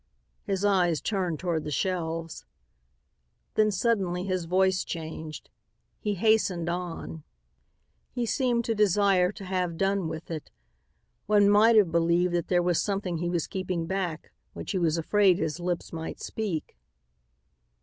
His eyes turned toward the shelves. Then, suddenly, his voice changed. He hastened on. He seemed to desire to have done with it. One might have believed that there was something he was keeping back which he was afraid his lips might speak.